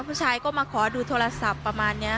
ผู้ชายก็มาขอดูโทรศัพท์ประมาณนี้